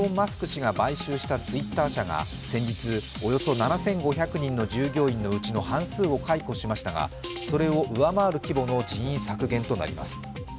氏が買収したＴｗｉｔｔｅｒ社が先日およそ７５００人のうちの半数を解雇しましたがそれを上回る規模の人員削減となります。